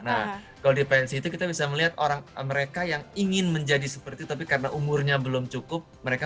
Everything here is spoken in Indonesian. nah kalau di pensi itu kita bisa melihat orang mereka yang ingin menjadi seperti tapi karena umurnya belum cukup mereka